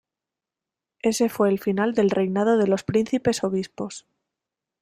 Ese fue el final del reinado de los príncipes-obispos.